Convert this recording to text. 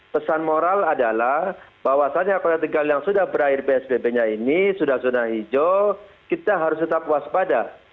pesan moral adalah bahwasannya kota tegal yang sudah berakhir psbb nya ini sudah zona hijau kita harus tetap waspada